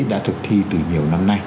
đã thực thi từ nhiều năm nay